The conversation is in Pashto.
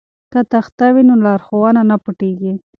که تخته وي نو لارښوونه نه پټیږي.